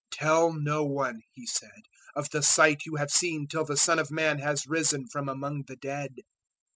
"Tell no one," He said, "of the sight you have seen till the Son of Man has risen from among the dead."